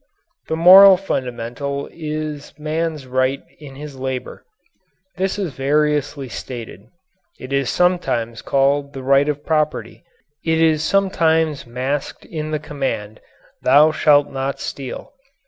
The moral fundamental is man's right in his labour. This is variously stated. It is sometimes called "the right of property." It is sometimes masked in the command, "Thou shalt not steal."